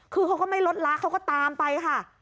คือเขาก็ไม่ลดละเขาก็ตามไปค่ะ